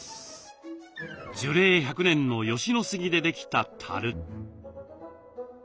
樹齢１００年の吉野杉でできたたる。